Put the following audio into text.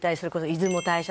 出雲大社